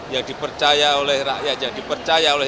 yang dipercaya oleh rakyat yang dipercaya oleh